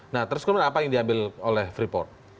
nah terus kemudian apa yang diambil oleh freeport